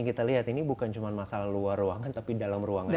kita lihat ini bukan cuma masalah luar ruangan tapi dalam ruangan